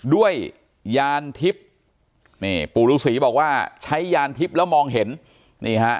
ยานทิพย์นี่ปู่ฤษีบอกว่าใช้ยานทิพย์แล้วมองเห็นนี่ฮะ